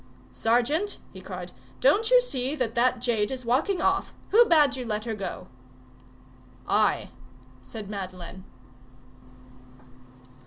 "Sergeant!" he cried, "don't you see that that jade is walking off! Who bade you let her go?" "I," said Madeleine.